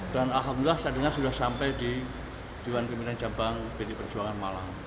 dan alhamdulillah saya dengar sudah sampai di dewan pimpinan jabang pdip malang